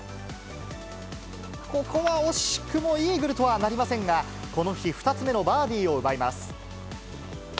ここは惜しくもイーグルとはなりませんが、この日、２つ目のバーディーを奪います。